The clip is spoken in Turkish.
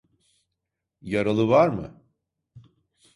Yaralı var mı?